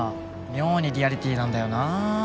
妙にリアリティーなんだよな